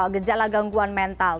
gejala gangguan mental